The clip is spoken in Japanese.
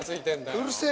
うるせえ